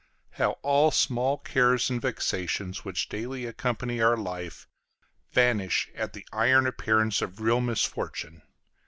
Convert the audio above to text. How all small cares and vexations, which daily accompany our life, vanish at the iron appearance of real misfortune!